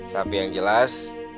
tapi yang jelas